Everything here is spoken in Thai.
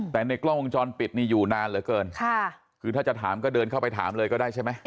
แต่ในกล้องวงจรปิดนี่อยู่นานเหลือเกินค่ะคือถ้าจะถามก็เดินเข้าไปถามเลยก็ได้ใช่ไหม